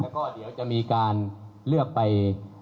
แล้วก็เดี๋ยวจะมีการเลือกไป